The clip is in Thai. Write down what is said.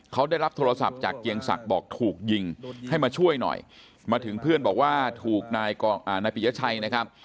เขาได้รับโทรศัพท์จากเกียงศักดิ์บอกถูกยิงให้มาช่วยหน่อยมาถึงเพื่อนบอกว่าถูกนายปิยชัยนะครับ